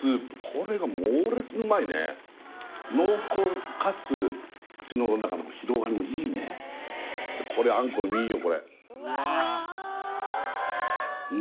これが猛烈にうまいね濃厚かつ口の中の広がりもいいねこれあんこうの身よ